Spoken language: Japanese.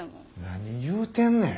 何言うてんねん。